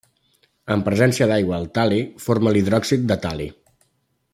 En presència d'aigua, el tal·li forma l'hidròxid de tal·li.